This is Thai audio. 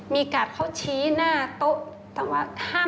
มีกัดเขาชี้หน้าโต๊ะ